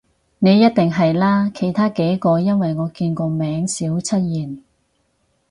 你一定啦，其他幾個因爲我見個名少出現